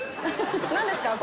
「何ですか？